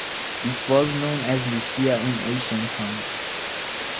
It was known as Lycia in ancient times.